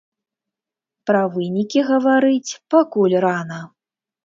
Пра вынікі гаварыць пакуль рана.